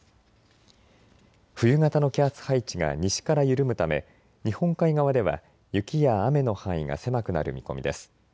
冬型の気圧配置が西から緩むため日本海側では雪や雨の範囲が狭くなる見込みです。